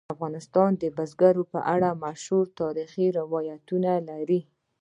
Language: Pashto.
افغانستان د بزګان په اړه مشهور تاریخی روایتونه لري.